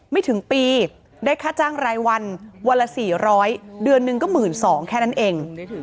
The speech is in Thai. ไม่ถึงปีได้ค่าจ้างรายวันวันละสี่ร้อยเดือนหนึ่งก็หมื่นสองแค่นั้นเอง